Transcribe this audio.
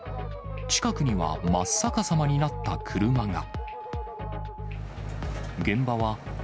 近くには、真っ逆さまになった車が。